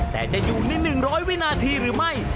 แต่จะอยู่ใน๑๐๐วินาทีหรือไม่